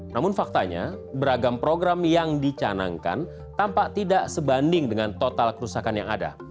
namun faktanya beragam program yang dicanangkan tampak tidak sebanding dengan total kerusakan yang ada